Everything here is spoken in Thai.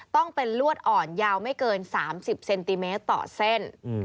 ต้องเป็นลวดอ่อนยาวไม่เกิน๓๐เซนติเมตรต่อเส้น